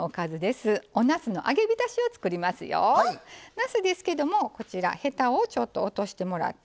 なすですけどもこちらヘタをちょっと落としてもらって。